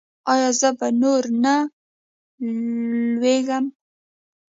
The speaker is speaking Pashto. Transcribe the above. ایا زه به نور نه لویږم؟